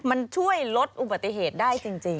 มันช่วยลดอุบัติเหตุได้จริง